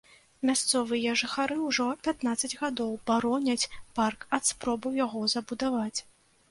Мясцовыя жыхары ўжо пятнаццаць гадоў бароняць парк ад спробаў яго забудаваць.